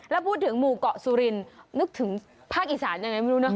แล้วพูดถึงหมู่เกาะสุรินนึกถึงภาคอีสานยังไงไม่รู้เนอ